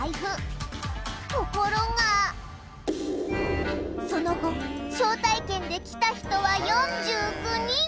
ところがその後招待券で来た人は４９人。